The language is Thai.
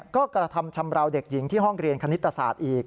ก็กระทำชำราวเด็กหญิงที่ห้องเรียนคณิตศาสตร์อีก